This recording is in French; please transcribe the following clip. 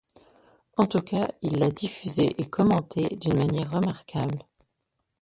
En tout cas, il l'a diffusé et commenté d'une manière remarquable.